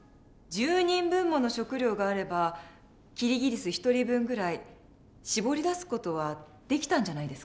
１０人分もの食料があればキリギリス１人分ぐらい搾り出す事はできたんじゃないですか？